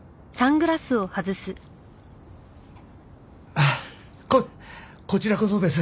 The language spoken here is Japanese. あっここちらこそです。